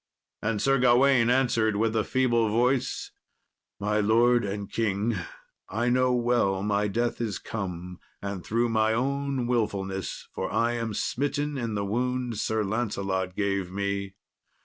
And Sir Gawain answered, with a feeble voice, "My lord and king, I know well my death is come, and through my own wilfulness, for I am smitten in the wound Sir Lancelot gave me.